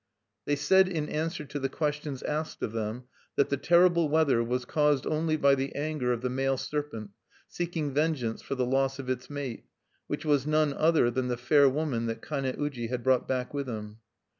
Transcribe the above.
They said in answer to the questions asked of them that the terrible weather was caused only by the anger of the male serpent, seeking vengeance for the loss of its mate, which was none other than the fair woman that Kane uji had brought back with him.